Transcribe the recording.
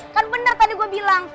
kan benar tadi gue bilang